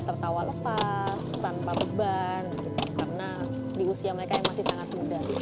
tertawa lepas tanpa beban karena di usia mereka yang masih sangat muda